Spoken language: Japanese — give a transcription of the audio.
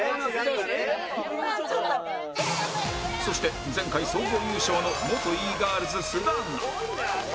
そして前回総合優勝の元 Ｅ ー ｇｉｒｌｓ 須田アンナ